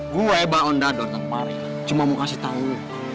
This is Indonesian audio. gue mbak ondador dan pak rian cuma mau kasih tau